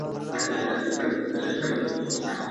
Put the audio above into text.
که خفګان وي نو د دردونو لیکل ارامښت راولي.